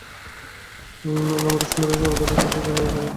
এলার মতো সুন্দরী সর্বদা দেখতে পাওয়া যায় না–এ-কথা মান কি না?